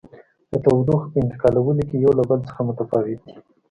د تودوخې په انتقالولو کې یو له بل څخه متفاوت دي.